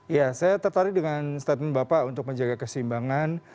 ya saya tertarik dengan statement bapak untuk menjaga keseimbangan